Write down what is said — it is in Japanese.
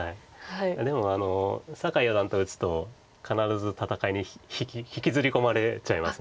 でも酒井四段と打つと必ず戦いに引きずり込まれちゃいます。